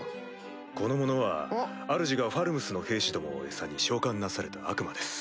この者はあるじがファルムスの兵士どもを餌に召喚なされた悪魔です。